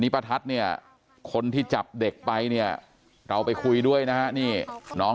ประทัดเนี่ยคนที่จับเด็กไปเนี่ยเราไปคุยด้วยนะฮะนี่น้อง